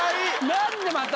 何でまた？